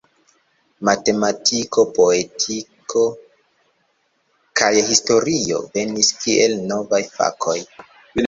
Matematiko, poetiko kaj historio venis kiel novaj fakoj.